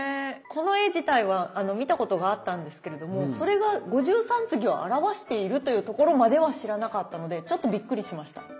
この絵自体は見たことがあったんですけれどもそれが五十三次を表しているというところまでは知らなかったのでちょっとびっくりしました。